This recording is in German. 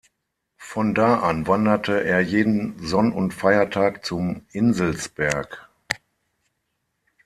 Von da an wanderte er jeden Sonn- und Feiertag zum Inselsberg.